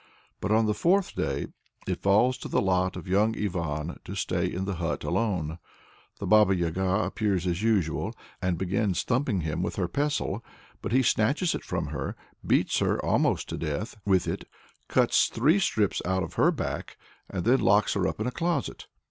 But on the fourth day it falls to the lot of the young Ivan to stay in the hut alone. The Baba Yaga appears as usual, and begins thumping him with her pestle; but he snatches it from her, beats her almost to death with it, cuts three strips out of her back, and then locks her up in a closet.